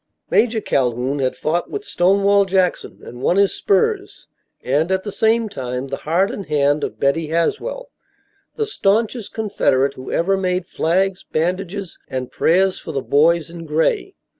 Major Calhoun had fought with Stonewall Jackson and won his spurs and at the same time the heart and hand of Betty Haswell, the staunchest Confederate who ever made flags, bandages and prayers for the boys in gray.